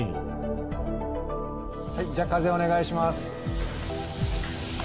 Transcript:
はいじゃあ風お願いします。